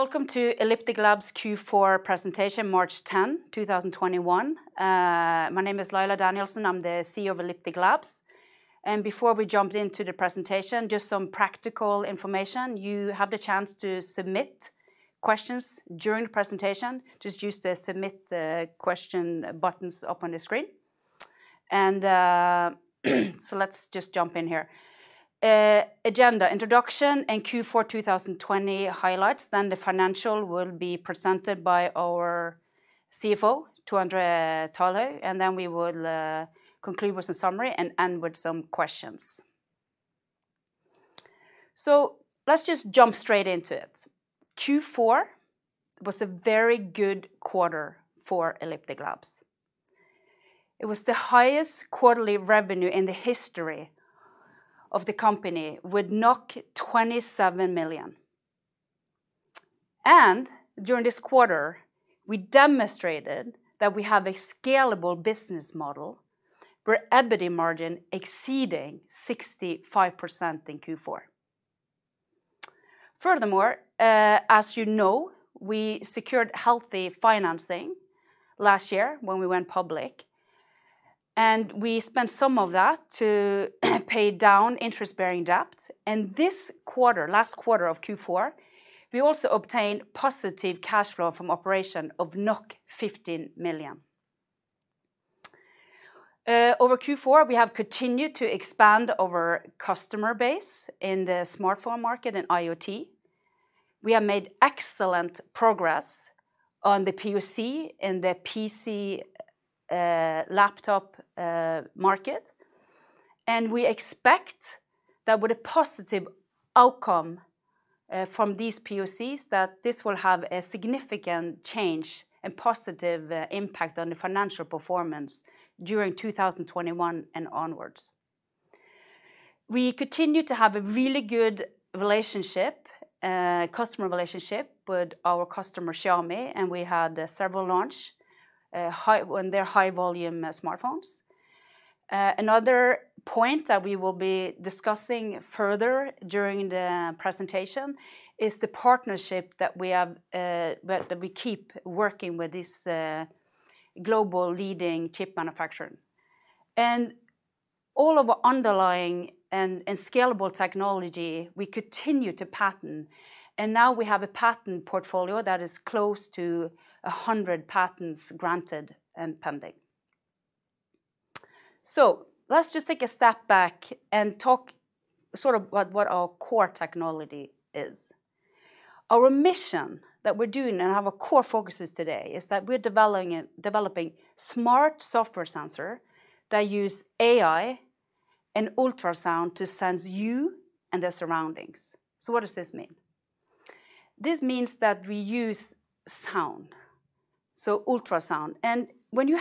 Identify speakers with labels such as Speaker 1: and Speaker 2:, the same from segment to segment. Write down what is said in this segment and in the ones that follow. Speaker 1: Welcome to Elliptic Labs Q4 Presentation, March 10, 2021. My name is Laila Danielsen. I'm the CEO of Elliptic Labs. Before we jump into the presentation, just some practical information. You have the chance to submit questions during the presentation. Just use the submit question buttons up on the screen. Let's just jump in here. Agenda, introduction, and Q4 2020 highlights, then the financial will be presented by our CFO, Thor Talhaug, and then we will conclude with a summary and end with some questions. Let's just jump straight into it. Q4 was a very good quarter for Elliptic Labs. It was the highest quarterly revenue in the history of the company, with 27 million. During this quarter, we demonstrated that we have a scalable business model with EBITDA margin exceeding 65% in Q4. Furthermore, as you know, we secured healthy financing last year when we went public, and we spent some of that to pay down interest-bearing debt. This quarter, last quarter of Q4, we also obtained positive cash flow from operation of 15 million. Over Q4, we have continued to expand our customer base in the smartphone market and IoT. We have made excellent progress on the POC in the PC laptop market, and we expect that with a positive outcome from these POCs, that this will have a significant change and positive impact on the financial performance during 2021 and onwards. We continue to have a really good customer relationship with our customer, Xiaomi, and we had several launch on their high-volume smartphones. Another point that we will be discussing further during the presentation is the partnership that we keep working with this global leading chip manufacturer. All of our underlying and scalable technology, we continue to patent, and now we have a patent portfolio that is close to 100 patents granted and pending. Let's just take a step back and talk sort of what our core technology is. Our mission that we're doing and our core focuses today is that we're developing smart software sensor that use AI and ultrasound to sense you and the surroundings. What does this mean? This means that we use sound, so ultrasound, and when you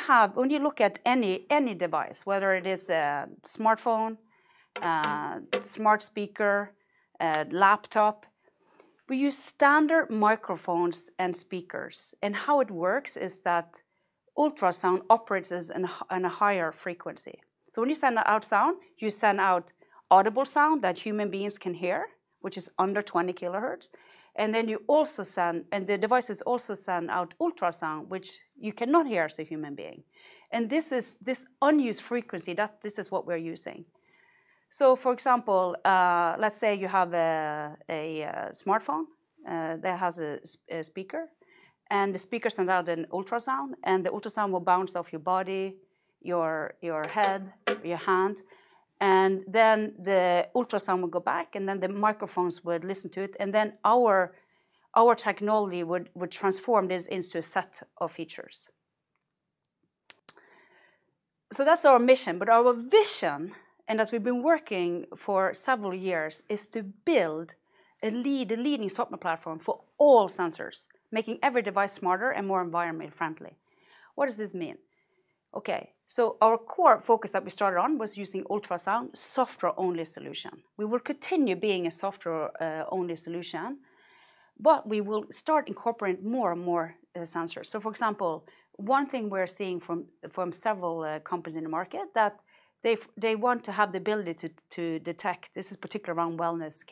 Speaker 1: look at any device, whether it is a smartphone, a smart speaker, a laptop, we use standard microphones and speakers. How it works is that ultrasound operates on a higher frequency. When you send out sound, you send out audible sound that human beings can hear, which is under 20 kilohertz, and the devices also send out ultrasound, which you cannot hear as a human being. This unused frequency, this is what we're using. For example, let's say you have a smartphone that has a speaker, and the speaker sends out an ultrasound, and the ultrasound will bounce off your body, your head, your hand, and then the ultrasound will go back, and then the microphones will listen to it, and then our technology would transform this into a set of features. That's our mission, but our vision, and as we've been working for several years, is to build a leading software platform for all sensors, making every device smarter and more environment friendly. What does this mean? Our core focus that we started on was using ultrasound software-only solution. We will continue being a software-only solution, we will start incorporating more and more sensors. For example, one thing we're seeing from several companies in the market, that they want to have the ability to detect, this is particularly around wellness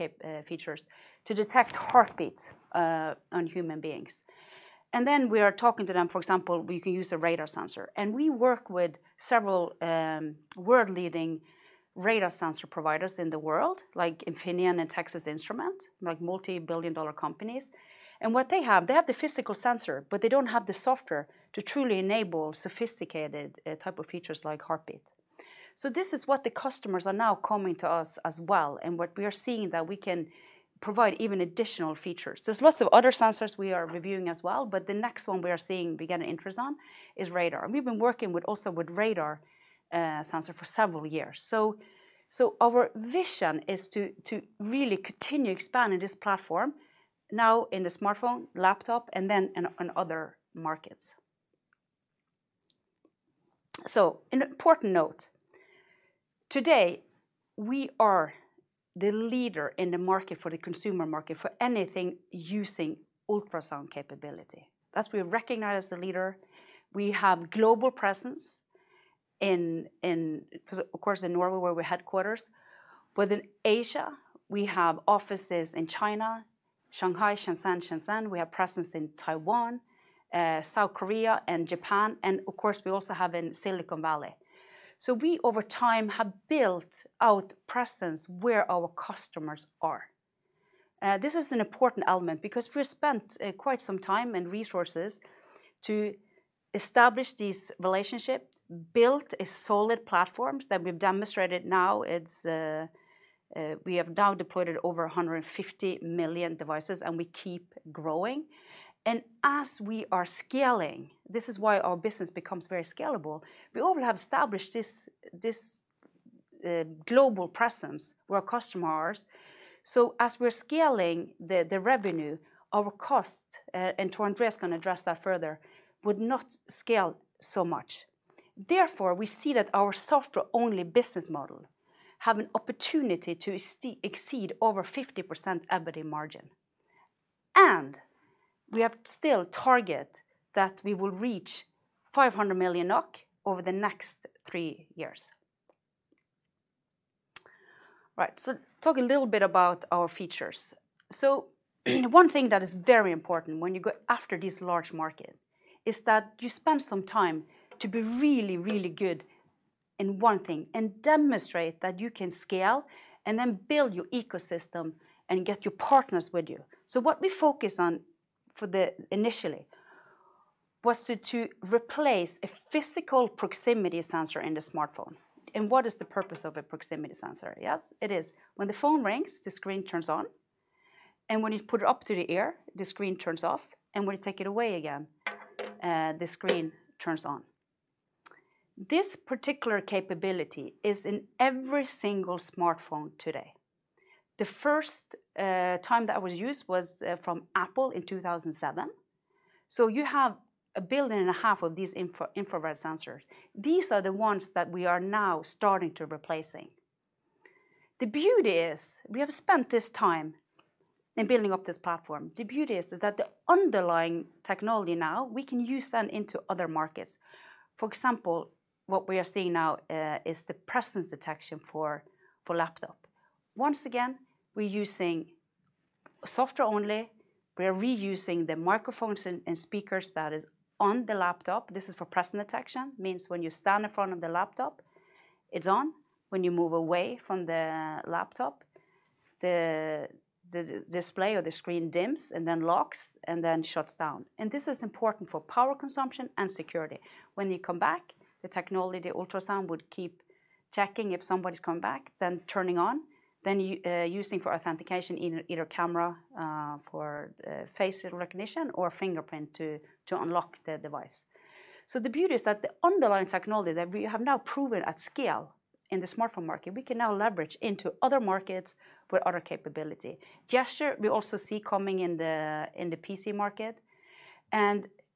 Speaker 1: features, to detect heartbeat on human beings. We are talking to them, for example, we can use a radar sensor, we work with several world-leading radar sensor providers in the world, like Infineon and Texas Instruments, multi-billion dollar companies. What they have, they have the physical sensor, but they don't have the software to truly enable sophisticated type of features like heartbeat. This is what the customers are now coming to us as well, and what we are seeing that we can provide even additional features. There's lots of other sensors we are reviewing as well, but the next one we are seeing beginning interest on is radar, and we've been working also with radar sensor for several years. Our vision is to really continue expanding this platform, now in the smartphone, laptop, and then on other markets. An important note. Today, we are the leader in the market for the consumer market for anything using ultrasound capability. We're recognized as a leader. We have global presence, of course, in Norway, where we're headquarters. Within Asia, we have offices in China, Shanghai, Shenzhen. We have presence in Taiwan, South Korea, and Japan, and of course, we also have in Silicon Valley. We, over time, have built out presence where our customers are. This is an important element because we spent quite some time and resources to establish these relationship, built a solid platforms that we've demonstrated now. We have now deployed over 150 million devices, and we keep growing. As we are scaling, this is why our business becomes very scalable, we already have established this global presence where our customers are. As we're scaling the revenue, our cost, and Thor Talhaug can address that further, would not scale so much. Therefore, we see that our software-only business model have an opportunity to exceed over 50% EBITDA margin. We have still target that we will reach 500 million NOK over the next three years. Right. Talk a little bit about our features. One thing that is very important when you go after this large market is that you spend some time to be really, really good in one thing and demonstrate that you can scale and then build your ecosystem and get your partners with you. What we focused on initially was to replace a physical proximity sensor in the smartphone. What is the purpose of a proximity sensor? Yes, it is when the phone rings, the screen turns on, and when you put it up to the ear, the screen turns off, and when you take it away again, the screen turns on. This particular capability is in every single smartphone today. The first time that was used was from Apple in 2007. You have 1.5 billion of these infrared sensors. These are the ones that we are now starting to replace. The beauty is we have spent this time in building up this platform. The beauty is that the underlying technology now, we can use that into other markets. For example, what we are seeing now is the presence detection for laptop. Once again, we're using software only. We're reusing the microphones and speakers that is on the laptop. This is for presence detection, means when you stand in front of the laptop, it's on. When you move away from the laptop, the display or the screen dims and then locks and then shuts down. This is important for power consumption and security. When you come back, the technology, the ultrasound would keep checking if somebody's come back, then turning on, then using for authentication, either camera for face recognition or fingerprint to unlock the device. The beauty is that the underlying technology that we have now proven at scale in the smartphone market, we can now leverage into other markets with other capability. Gesture, we also see coming in the PC market.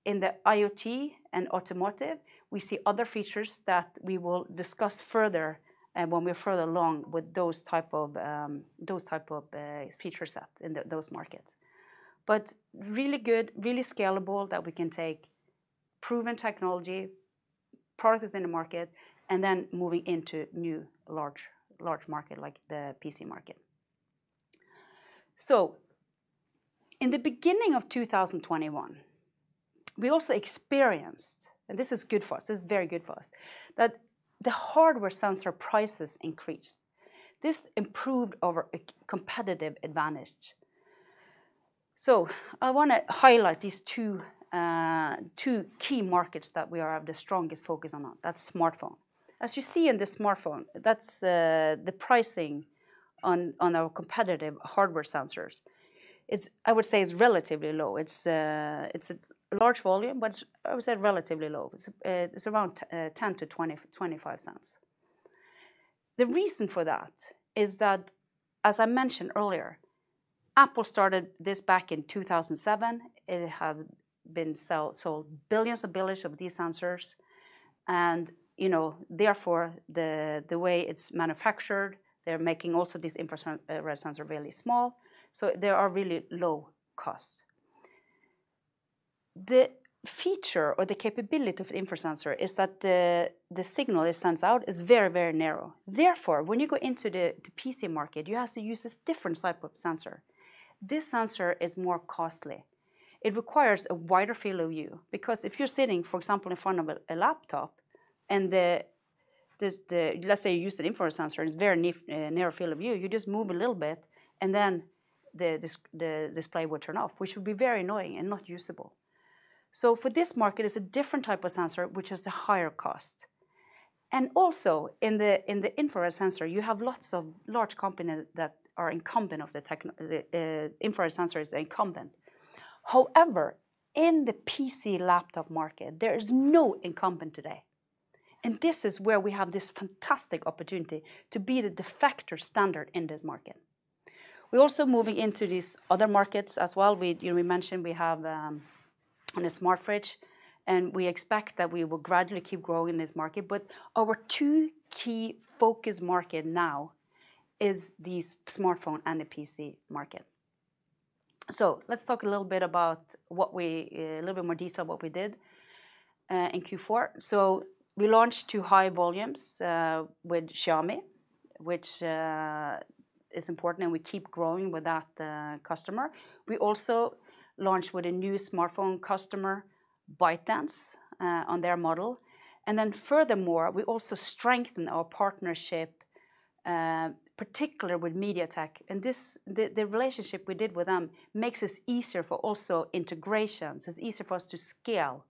Speaker 1: In the IoT and automotive, we see other features that we will discuss further when we're further along with those type of feature set in those markets. Really good, really scalable that we can take proven technology, product is in the market, and then moving into new large market like the PC market. In the beginning of 2021, we also experienced, and this is good for us, this is very good for us, that the hardware sensor prices increased. This improved our competitive advantage. I want to highlight these two key markets that we have the strongest focus on. That's smartphone. As you see in the smartphone, that's the pricing on our competitive hardware sensors. I would say it's relatively low. It's a large volume, I would say relatively low. It's around 0.10-0.25. The reason for that is that, as I mentioned earlier, Apple started this back in 2007. It has been sold billions of billions of these sensors, therefore, the way it's manufactured, they're making also this infrared sensor really small, there are really low costs. The feature or the capability of the infra sensor is that the signal it sends out is very, very narrow. When you go into the PC market, you have to use this different type of sensor. This sensor is more costly. It requires a wider field of view because if you're sitting, for example, in front of a laptop and let's say you use an infrared sensor, it's very narrow field of view, you just move a little bit, and then the display will turn off, which will be very annoying and not usable. For this market, it's a different type of sensor, which is a higher cost. Also, in the infrared sensor, you have lots of large companies that are incumbent. The infrared sensor is incumbent. However, in the PC laptop market, there is no incumbent today. This is where we have this fantastic opportunity to be the de facto standard in this market. We're also moving into these other markets as well. We mentioned we have on a smart fridge, and we expect that we will gradually keep growing in this market. Our two key focus market now is these smartphone and the PC market. Let's talk a little bit more detail what we did in Q4. We launched to high volumes, with Xiaomi, which is important, and we keep growing with that customer. We also launched with a new smartphone customer, ByteDance, on their model. Furthermore, we also strengthened our partnership, particular with MediaTek. The relationship we did with them makes this easier for also integrations. It's easier for us to scale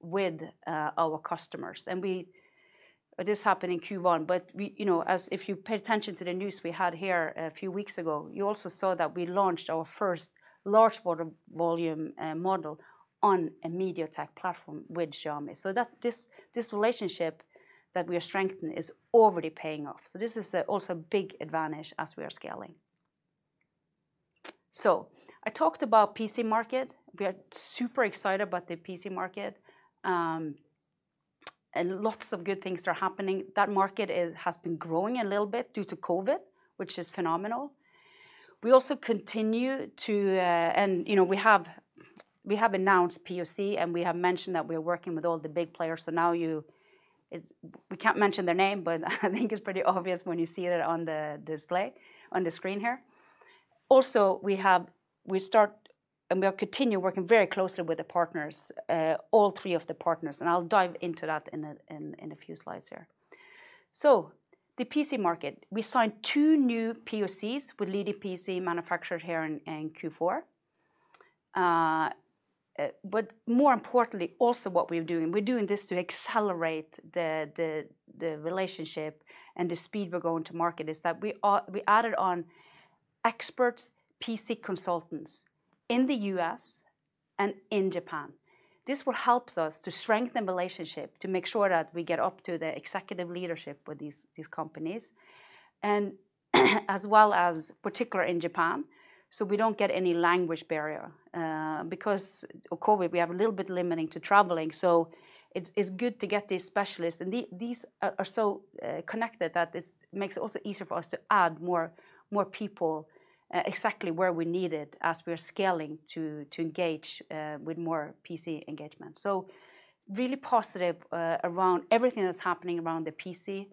Speaker 1: with our customers. This happened in Q1, but if you pay attention to the news we had here a few weeks ago, you also saw that we launched our first large volume model on a MediaTek platform with Xiaomi. This relationship that we are strengthening is already paying off. This is also a big advantage as we are scaling. I talked about PC market. We are super excited about the PC market. Lots of good things are happening. That market has been growing a little bit due to COVID, which is phenomenal. We have announced POC, and we have mentioned that we are working with all the big players. Now we can't mention their name, but I think it's pretty obvious when you see it on the display on the screen here. Also, we have started and we are continue working very closely with the partners, all three of the partners, and I'll dive into that in a few slides here. The PC market, we signed two new POCs with leading PC manufacturer here in Q4. More importantly, also what we're doing this to accelerate the relationship, and the speed we're going to market is that we added on experts, PC consultants in the U.S. and in Japan. This will help us to strengthen relationship to make sure that we get up to the executive leadership with these companies, and as well as particular in Japan, so we don't get any language barrier. Because of COVID, we have a little bit limiting to traveling, so it's good to get these specialists, and these are so connected that this makes it also easier for us to add more people exactly where we need it as we are scaling to engage with more PC engagement. Really positive around everything that's happening around the PC,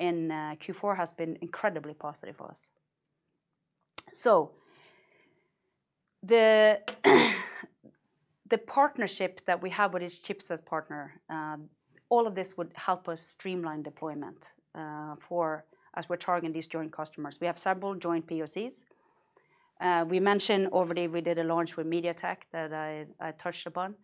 Speaker 1: and Q4 has been incredibly positive for us. The partnership that we have with each chipsets partner, all of this would help us streamline deployment, as we're targeting these joint customers. We have several joint POCs. We mentioned already we did a launch with MediaTek that I touched upon.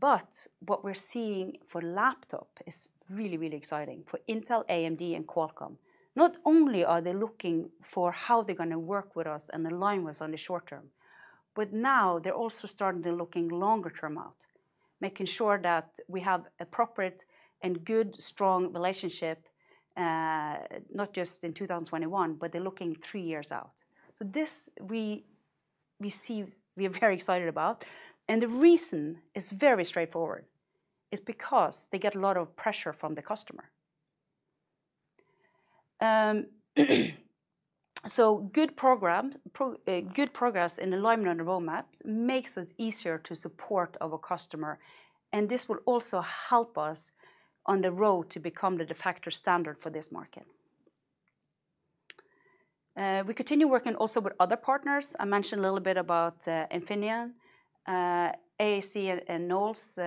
Speaker 1: What we're seeing for laptop is really exciting for Intel, AMD, and Qualcomm. Not only are they looking for how they're going to work with us and align with us on the short term, now they're also starting to looking longer term out, making sure that we have appropriate and good, strong relationship, not just in 2021, but they're looking three years out. This we are very excited about, and the reason is very straightforward, is because they get a lot of pressure from the customer. Good progress in alignment on the roadmaps makes us easier to support our customer, and this will also help us on the road to become the de facto standard for this market. We continue working also with other partners. I mentioned a little bit about Infineon, AAC, and Knowles.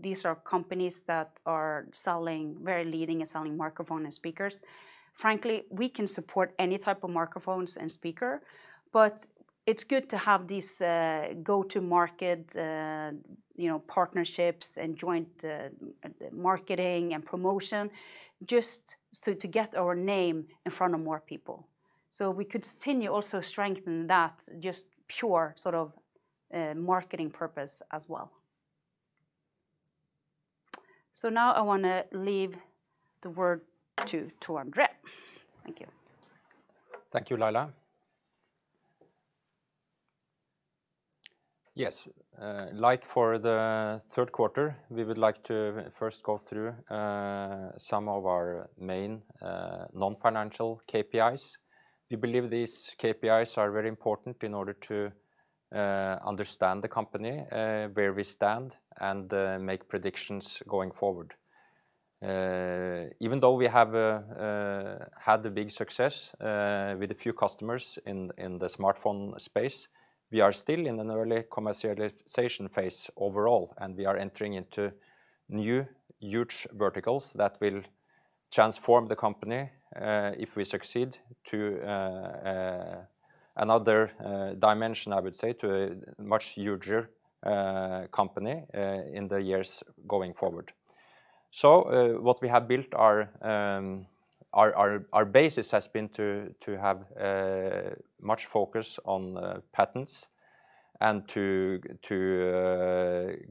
Speaker 1: These are companies that are very leading in selling microphone and speakers. Frankly, we can support any type of microphones and speaker, but it's good to have these go-to-market partnerships and joint marketing and promotion just to get our name in front of more people. We could continue also strengthen that, just pure sort of marketing purpose as well. Now I want to leave the word to Thor. Thank you.
Speaker 2: Thank you, Laila. Yes, like for the Q3, we would like to first go through some of our main non-financial KPIs. We believe these KPIs are very important in order to understand the company, where we stand, and make predictions going forward. Even though we have had the big success with a few customers in the smartphone space, we are still in an early commercialization phase overall, and we are entering into new huge verticals that will transform the company, if we succeed, to another dimension, I would say, to a much huger company in the years going forward. What we have built, our basis has been to have much focus on patents and to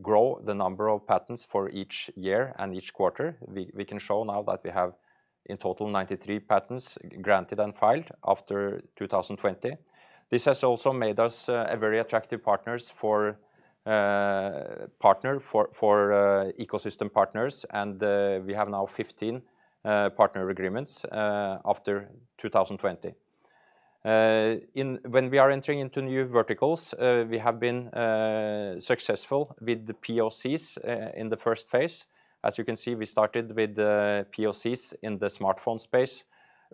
Speaker 2: grow the number of patents for each year and each quarter. We can show now that we have in total 93 patents granted and filed after 2020. This has also made us a very attractive partner for ecosystem partners, and we have now 15 partner agreements after 2020. When we are entering into new verticals, we have been successful with the POCs in the first phase. As you can see, we started with the POCs in the smartphone space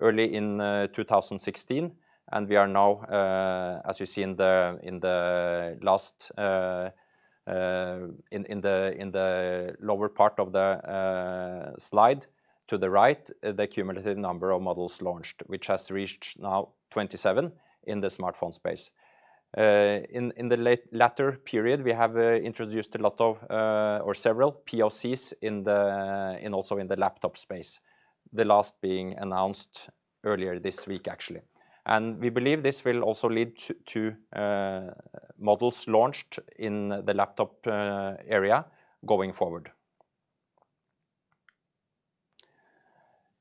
Speaker 2: early in 2016, and we are now, as you see in the lower part of the slide to the right, the cumulative number of models launched, which has reached now 27 in the smartphone space. In the latter period, we have introduced a lot of or several POCs also in the laptop space. The last being announced earlier this week, actually. We believe this will also lead to models launched in the laptop area going forward.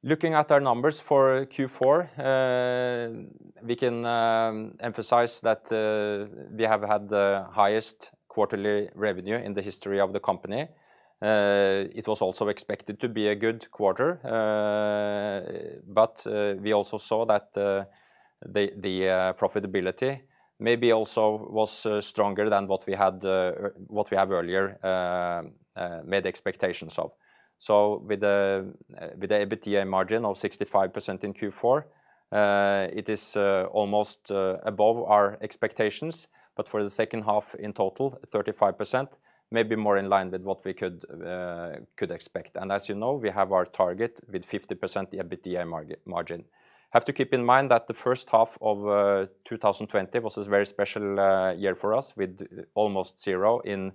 Speaker 2: Looking at our numbers for Q4, we can emphasize that we have had the highest quarterly revenue in the history of the company. It was also expected to be a good quarter, we also saw that the profitability maybe also was stronger than what we have earlier made expectations of. With the EBITDA margin of 65% in Q4, it is almost above our expectations. For the H2 in total, 35%, maybe more in line with what we could expect. As you know, we have our target with 50% the EBITDA margin. Have to keep in mind that the H1 of 2020 was a very special year for us, with almost zero in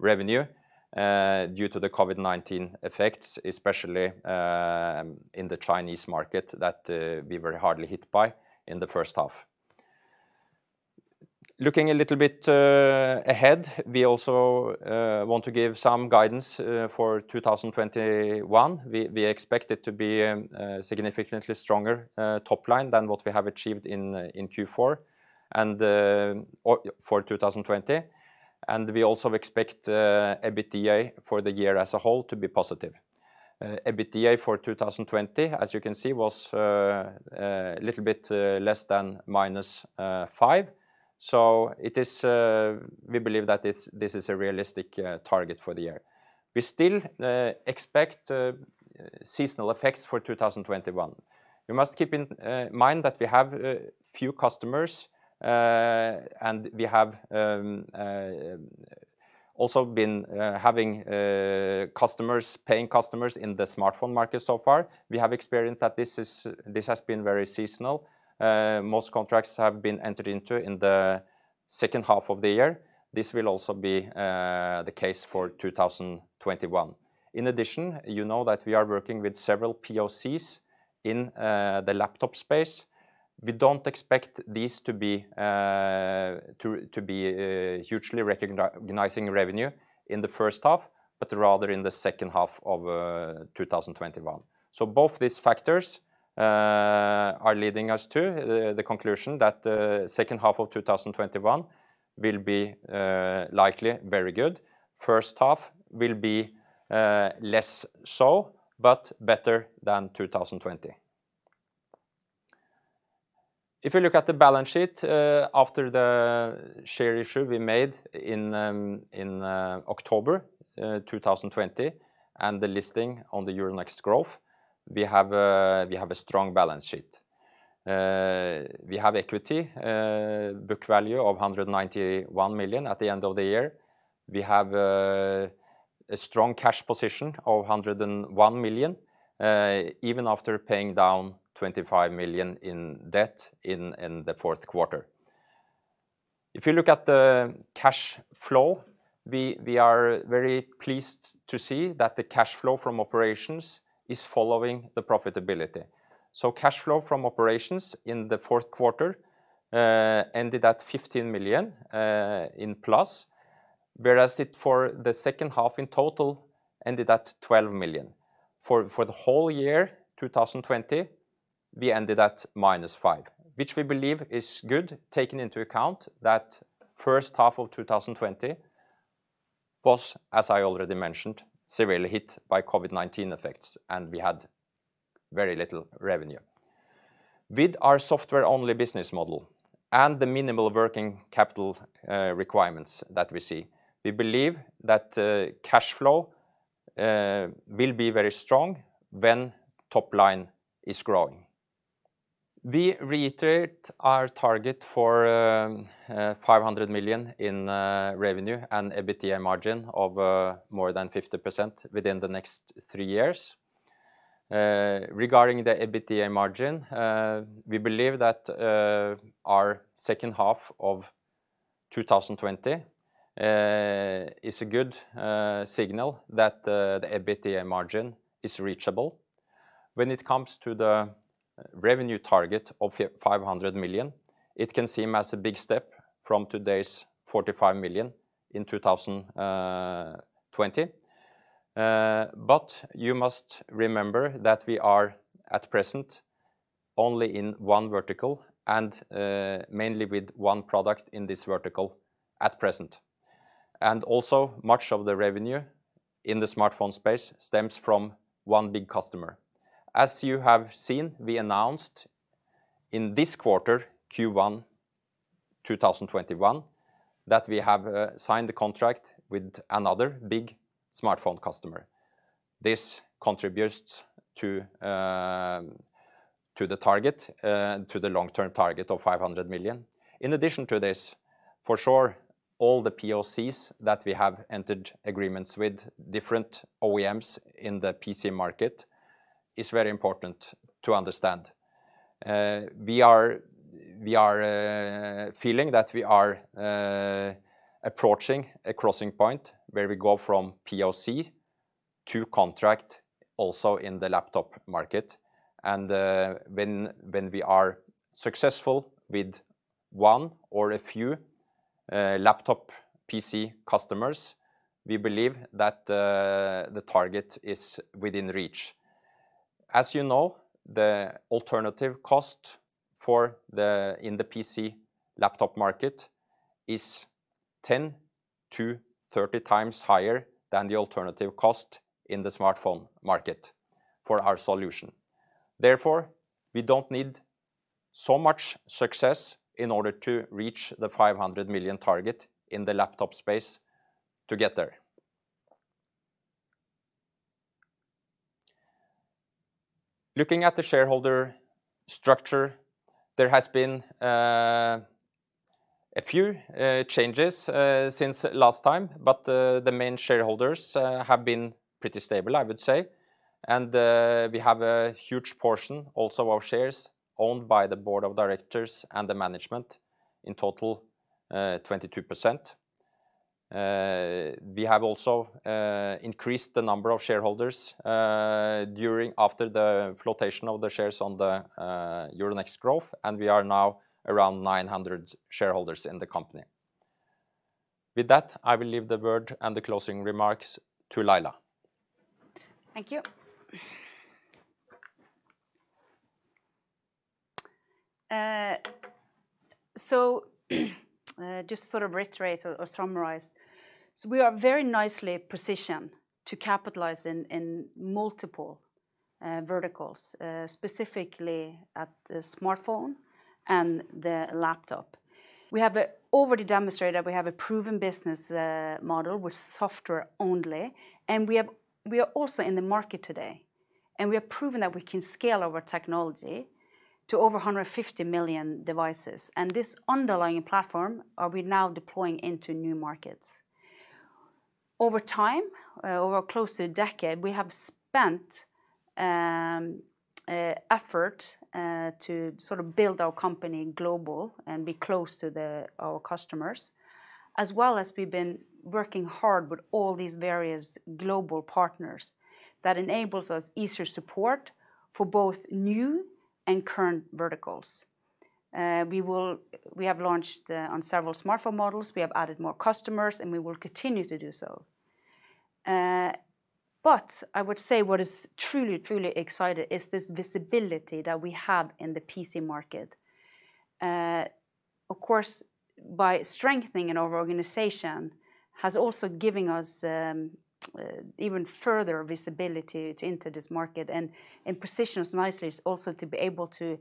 Speaker 2: revenue due to the COVID-19 effects, especially in the Chinese market that we were hardly hit by in the H1. Looking a little bit ahead, we also want to give some guidance for 2021. We expect it to be a significantly stronger top line than what we have achieved in Q4 and for 2020. We also expect EBITDA for the year as a whole to be positive. EBITDA for 2020, as you can see, was a little bit less than -5. We believe that this is a realistic target for the year. We still expect seasonal effects for 2021. We must keep in mind that we have a few customers, and we have also been having paying customers in the smartphone market so far. We have experienced that this has been very seasonal. Most contracts have been entered into in the H2 of the year. This will also be the case for 2021. In addition, you know that we are working with several POCs in the laptop space. We don't expect these to be hugely recognizing revenue in the H1, but rather in the H2 of 2021. Both these factors are leading us to the conclusion that the H2 of 2021 will be likely very good. First half will be less so, but better than 2020. If you look at the balance sheet after the share issue we made in October 2020 and the listing on the Euronext Growth, we have a strong balance sheet. We have equity book value of 191 million at the end of the year. We have a strong cash position of 101 million, even after paying down 25 million in debt in the Q4. If you look at the cash flow, we are very pleased to see that the cash flow from operations is following the profitability. Cash flow from operations in the Q4 ended at 15 million in plus, whereas it for the H2 in total ended at 12 million. For the whole year 2020, we ended at minus 5, which we believe is good, taking into account that H1 of 2020 was, as I already mentioned, severely hit by COVID-19 effects, and we had very little revenue. With our software-only business model and the minimal working capital requirements that we see, we believe that cash flow will be very strong when top line is growing. We reiterate our target for 500 million in revenue and EBITDA margin of more than 50% within the next three years. Regarding the EBITDA margin, we believe that our H2 of 2020 is a good signal that the EBITDA margin is reachable. When it comes to the revenue target of 500 million, it can seem as a big step from today's 45 million in 2020. You must remember that we are at present only in one vertical and mainly with one product in this vertical at present. Also much of the revenue in the smartphone space stems from one big customer. As you have seen, we announced in this quarter, Q1 2021, that we have signed the contract with another big smartphone customer. This contributes to the long-term target of 500 million. In addition to this, for sure, all the POCs that we have entered agreements with different OEMs in the PC market is very important to understand. We are feeling that we are approaching a crossing point where we go from POC to contract also in the laptop market. When we are successful with one or a few laptop PC customers, we believe that the target is within reach. As you know, the alternative cost in the PC laptop market is 10-30 times higher than the alternative cost in the smartphone market for our solution. Therefore, we don't need so much success in order to reach the 500 million target in the laptop space to get there. Looking at the shareholder structure, there has been a few changes since last time, but the main shareholders have been pretty stable, I would say. We have a huge portion also of shares owned by the board of directors and the management, in total 22%. We have also increased the number of shareholders after the flotation of the shares on the Euronext Growth. We are now around 900 shareholders in the company. With that, I will leave the word and the closing remarks to Laila.
Speaker 1: Thank you. Just to reiterate or summarize, we are very nicely positioned to capitalize in multiple verticals, specifically at the smartphone and the laptop. We have already demonstrated we have a proven business model with software only, we are also in the market today, and we have proven that we can scale our technology to over 150 million devices. This underlying platform are we now deploying into new markets. Over time, over close to a decade, we have spent effort to build our company global and be close to our customers, as well as we've been working hard with all these various global partners that enables us easier support for both new and current verticals. We have launched on several smartphone models, we have added more customers, we will continue to do so. I would say what is truly exciting is this visibility that we have in the PC market. Of course, by strengthening in our organization has also given us even further visibility into this market, and positions nicely also to be able to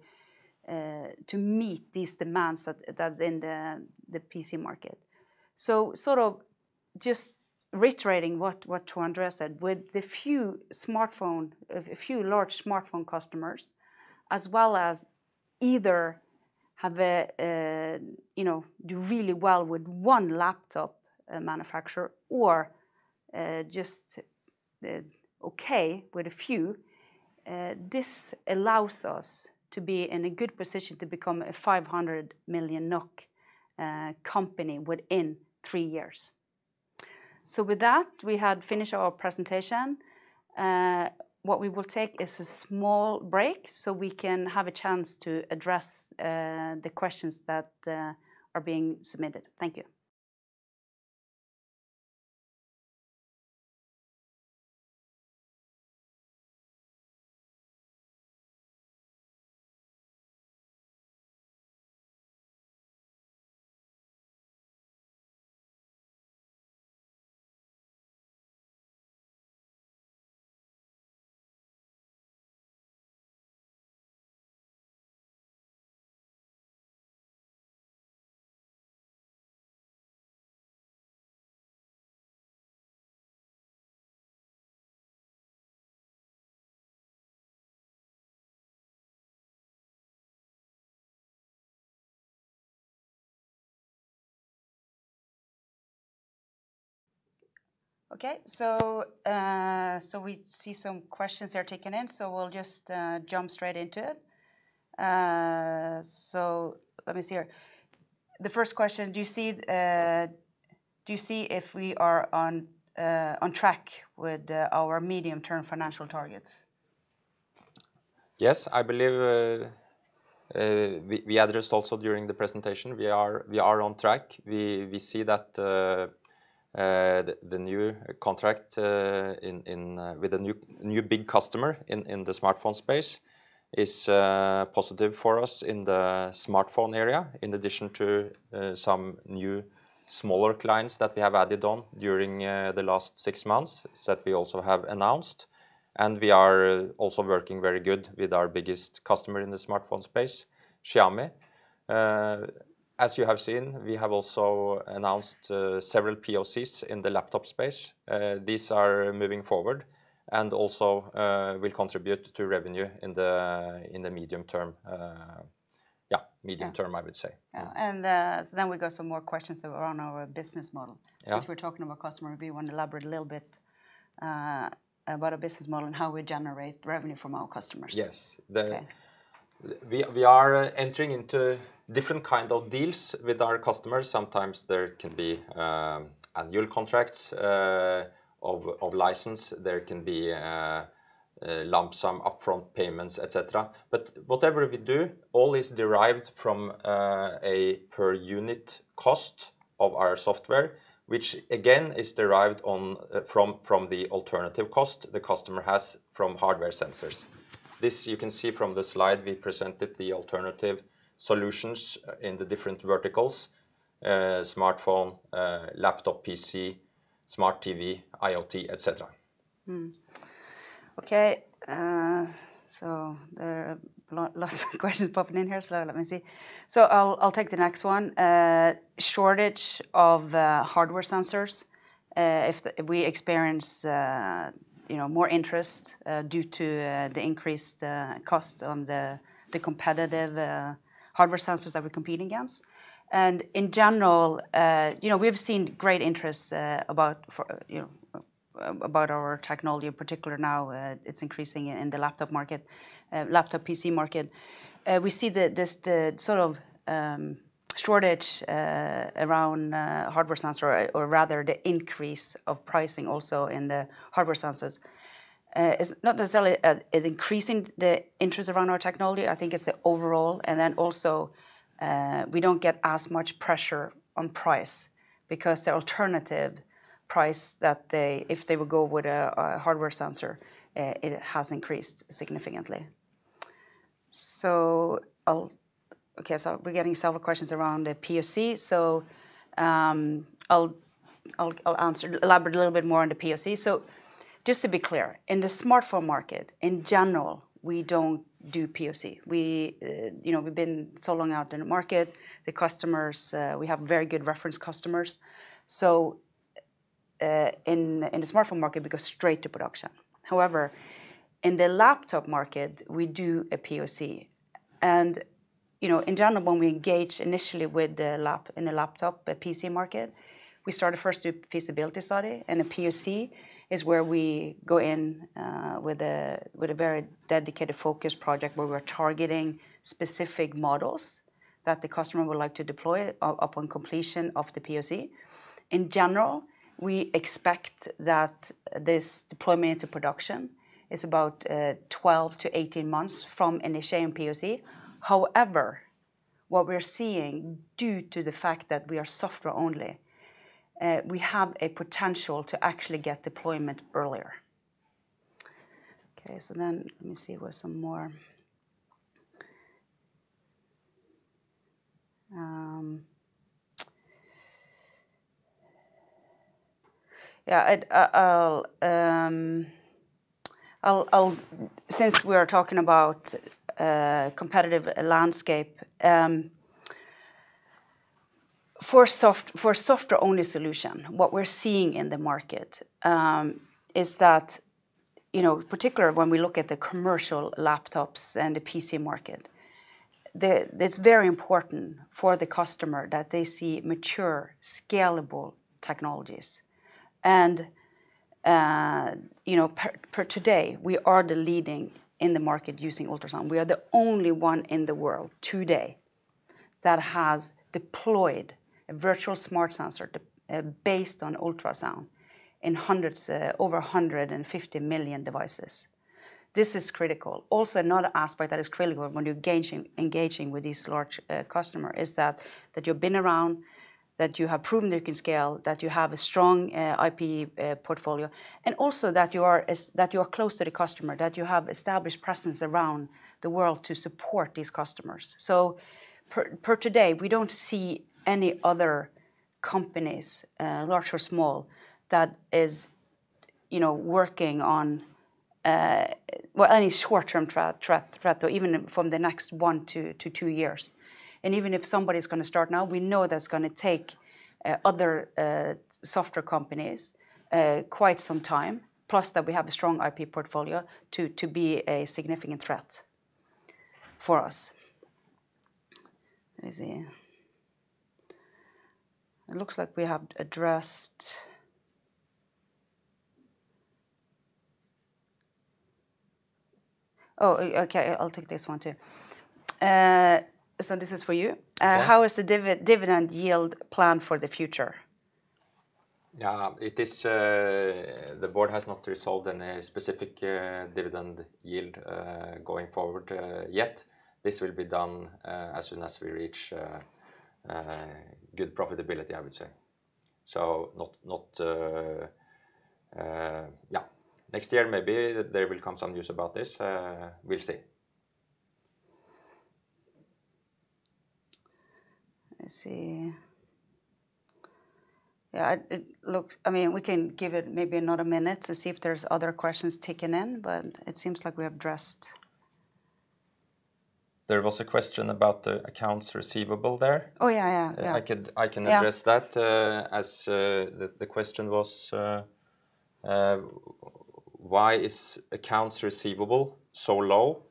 Speaker 1: meet these demands that is in the PC market. Just reiterating what Thor Talhaug said, with a few large smartphone customers, as well as either do really well with one laptop manufacturer or just okay with a few, this allows us to be in a good position to become a 500 million NOK company within three years. With that, we have finished our presentation. What we will take is a small break so we can have a chance to address the questions that are being submitted. Thank you. Okay. We see some questions are taken in, so we'll just jump straight into it. Let me see here. The first question, do you see if we are on track with our medium-term financial targets?
Speaker 2: I believe we addressed also during the presentation, we are on track. We see that the new contract with the new big customer in the smartphone space is positive for us in the smartphone area, in addition to some new smaller clients that we have added on during the last six months, that we also have announced. We are also working very good with our biggest customer in the smartphone space, Xiaomi. As you have seen, we have also announced several POCs in the laptop space. These are moving forward, and also will contribute to revenue in the medium term.
Speaker 1: Yeah.
Speaker 2: Medium term, I would say.
Speaker 1: We got some more questions around our business model.
Speaker 2: Yeah.
Speaker 1: Since we're talking about customer, we want to elaborate a little bit about our business model and how we generate revenue from our customers.
Speaker 2: Yes.
Speaker 1: Okay.
Speaker 2: We are entering into different kind of deals with our customers. Sometimes there can be annual contracts of license, there can be lump sum upfront payments, et cetera. Whatever we do, all is derived from a per unit cost of our software, which again is derived from the alternative cost the customer has from hardware sensors. This you can see from the slide we presented the alternative solutions in the different verticals, smartphone, laptop PC, smart TV, IoT, et cetera.
Speaker 1: Okay. There are lots of questions popping in here, so let me see. I'll take the next one. Shortage of hardware sensors if we experience more interest due to the increased cost on the competitive hardware sensors that we're competing against. In general, we've seen great interest about our technology in particular now, it's increasing in the laptop PC market. We see the sort of shortage around hardware sensor or rather the increase of pricing also in the hardware sensors. It's not necessarily is increasing the interest around our technology, I think it's the overall, and then also, we don't get as much pressure on price because the alternative price if they would go with a hardware sensor, it has increased significantly. We're getting several questions around the POC, so I'll elaborate a little bit more on the POC. Just to be clear, in the smartphone market, in general, we don't do POC. We've been so long out in the market. The customers, we have very good reference customers. In the smartphone market, we go straight to production. However, in the laptop market, we do a POC. In general, when we engage initially in a laptop, a PC market, we start first do feasibility study, and a POC is where we go in with a very dedicated focus project where we're targeting specific models that the customer would like to deploy upon completion of the POC. In general, we expect that this deployment into production is about 12 to 18 months from initiating POC. However, what we're seeing due to the fact that we are software only, we have a potential to actually get deployment earlier. Let me see what's some more. Since we are talking about competitive landscape, for software-only solution, what we're seeing in the market is that, particularly when we look at the commercial laptops and the PC market, it's very important for the customer that they see mature, scalable technologies. For today, we are the leading in the market using ultrasound. We are the only one in the world today that has deployed a virtual smart sensor based on ultrasound in over 150 million devices. This is critical. Also, another aspect that is critical when you're engaging with these large customers is that you've been around, that you have proven you can scale, that you have a strong IP portfolio, and also that you are close to the customer, that you have established presence around the world to support these customers. For today, we don't see any other companies, large or small, that is working on any short-term threat, even from the next one to two years. Even if somebody's going to start now, we know that's going to take other software companies quite some time, plus that we have a strong IP portfolio to be a significant threat for us. Let me see. It looks like we have addressed. Okay. I'll take this one too. This is for you. How is the dividend yield plan for the future?
Speaker 2: Yeah. The board has not resolved any specific dividend yield going forward yet. This will be done as soon as we reach good profitability, I would say. Yeah. Next year, maybe there will come some news about this. We'll see.
Speaker 1: Let's see. We can give it maybe another minute to see if there's other questions ticking in, but it seems like we have addressed.
Speaker 2: There was a question about the accounts receivable there.
Speaker 1: Yeah.
Speaker 2: I can address that, as the question was, why is accounts receivable so low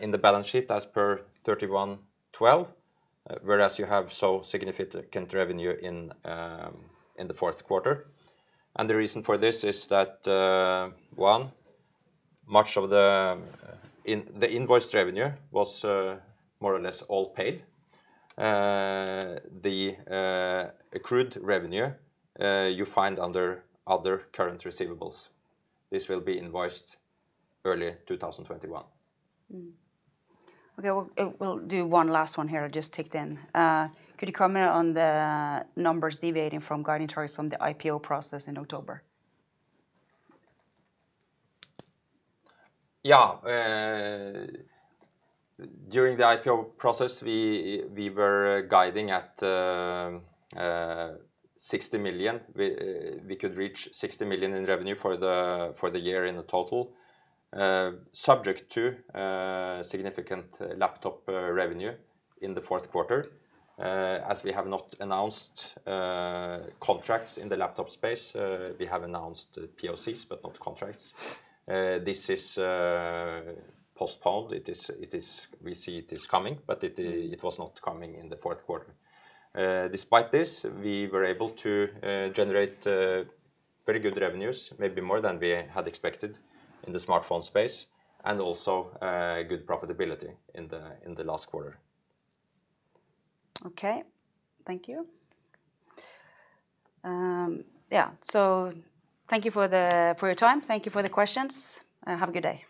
Speaker 2: in the balance sheet as per 3112, whereas you have significant revenue in the Q4? The reason for this is that, one, much of the invoiced revenue was more or less all paid. The accrued revenue, you find under other current receivables. This will be invoiced early 2021.
Speaker 1: Okay. We'll do one last one here. It just ticked in. Could you comment on the numbers deviating from guiding targets from the IPO process in October?
Speaker 2: Yeah. During the IPO process, we were guiding at 60 million. We could reach 60 million in revenue for the year in the total, subject to significant laptop revenue in the Q4, as we have not announced contracts in the laptop space. We have announced POCs, not contracts. This is postponed. We see it is coming, it was not coming in the Q4. Despite this, we were able to generate very good revenues, maybe more than we had expected in the smartphone space, and also good profitability in the last quarter.
Speaker 1: Okay. Thank you. Yeah. Thank you for your time. Thank you for the questions. Have a good day.